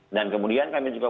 dan kemudian kami juga